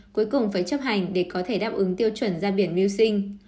cuối cùng phải chấp hành để có thể đáp ứng tiêu chuẩn ra biển mưu sinh